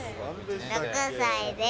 ６歳です。